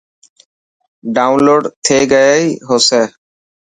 ڊائون لوڊ ٿي گئي هو سي.